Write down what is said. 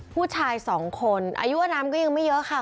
ผู้ชาย๒คนอายุอันนั้นก็ยังไม่เยอะค่ะ